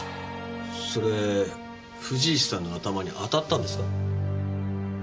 それ藤石さんの頭に当たったんですか？